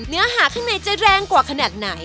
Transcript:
เนื้อหาข้างในจะแรงกว่าขนาดไหน